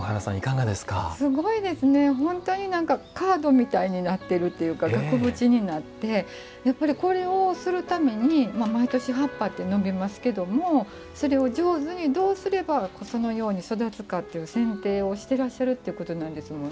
すごいですね、本当にカードみたいになっているというか額縁になってこれをするために毎年葉っぱって伸びますけどもそれを上手に、どうすればそのように育つかというせん定をしてらっしゃるってことなんですもんね。